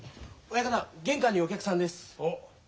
親方玄関にお客さんです。